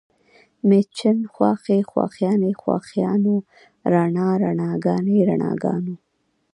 مېچن، خواښې، خواښیانې، خواښیانو، رڼا، رڼاګانې، رڼاګانو